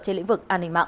trên lĩnh vực an ninh mạng